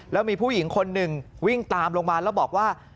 แล้วมีผู้หญิงคนหนึ่งวิ่งตามลงมาแล้วบอกว่า